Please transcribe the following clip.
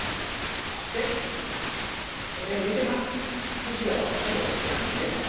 そしてこのように打てばもう白はほぼ生きてますね。